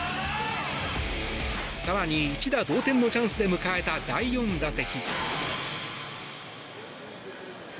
更に一打同点のチャンスで迎えた第４打席。